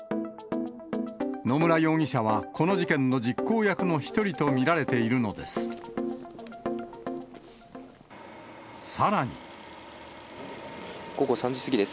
野村容疑者はこの事件の実行役の一人と見られているのです。